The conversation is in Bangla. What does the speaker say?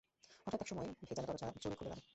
হঠাৎ এক সময় ভেজানো দরজা জোরে খুলে গেল।